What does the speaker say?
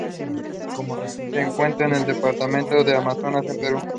Se encuentra en el departamento de Amazonas, en Perú.